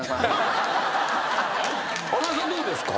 穴井さんどうですか？